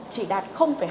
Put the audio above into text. chỉ đạt hai mươi sáu